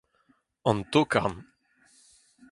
an tokarn